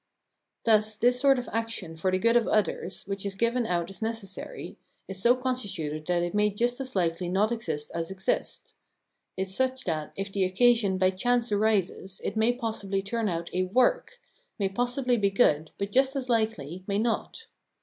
Thus, this sort of action for the good of others, which is given out as necessary, is so constituted that it may just as likely not exist as exist ; is such that, if the occasion by chance arises, it may possibly turn out a " work," may possibly be good, but just as likely may not.